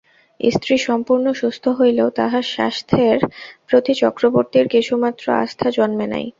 স্ত্রী সম্পূর্ণ সুস্থ হইলেও তাঁহার স্বাসেথ্যর প্রতি চক্রবর্তীর কিছুমাত্র আস্থা জন্মে নাই।